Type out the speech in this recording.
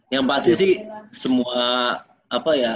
yang pasti sih semua apa ya